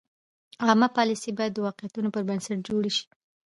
عامه پالیسۍ باید د واقعیتونو پر بنسټ جوړې شي.